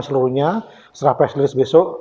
seluruhnya setelah press release besok